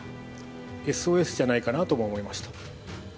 ＳＯＳじゃないかなとも思いました。